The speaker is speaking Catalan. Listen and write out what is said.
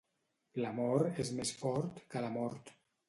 L'amor és més fort que la mort.